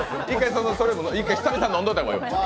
久々に飲んでおいた方がいい。